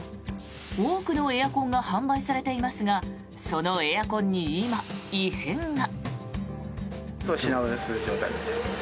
多くのエアコンが販売されていますがそのエアコンに今、異変が。